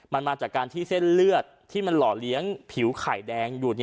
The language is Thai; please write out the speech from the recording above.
มันมาจากการที่เส้นเลือดที่มันหล่อเลี้ยงผิวไข่แดงอยู่